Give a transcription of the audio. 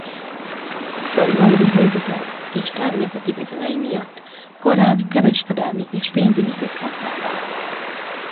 Földrajzi helyzete és természeti viszonyai miatt korán kereskedelmi és pénzügyi központtá vált.